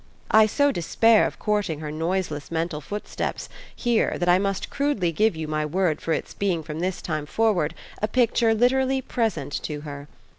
I so despair of courting her noiseless mental footsteps here that I must crudely give you my word for its being from this time forward a picture literally present to her.